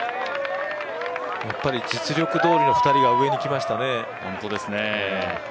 実力どおりの２人が上に来ましたね。